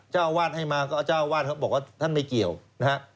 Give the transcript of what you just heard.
เจ้าอาวาสให้มาก็เจ้าวาดเขาบอกว่าท่านไม่เกี่ยวนะฮะ